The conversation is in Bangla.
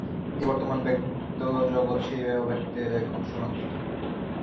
এই বর্তমান ব্যক্ত জগৎ সেই অব্যক্তের এক অংশমাত্র।